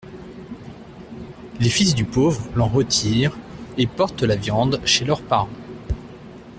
Les fils du pauvre l'en retirent et portent la viande chez leurs parents.